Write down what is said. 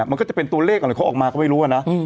มันก็จะเป็นตัวเลขอะไรเขาออกมาก็ไม่รู้นะ